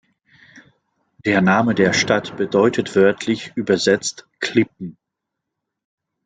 Der Name der Stadt bedeutet wörtlich übersetzt „Klippen“.